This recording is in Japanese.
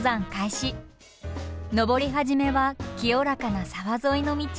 登り始めは清らかな沢沿いの道。